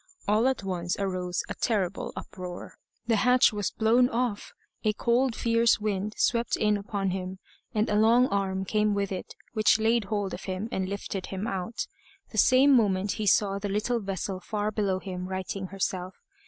All at once arose a terrible uproar. The hatch was blown off; a cold fierce wind swept in upon him; and a long arm came with it which laid hold of him and lifted him out. The same moment he saw the little vessel far below him righting herself.